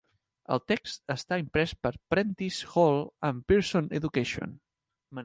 El text està imprès per Prentice Hall and Pearson Education.